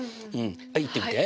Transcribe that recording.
はい言ってみて。